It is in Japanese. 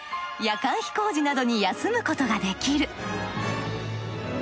夜間飛行時などに休むことができる。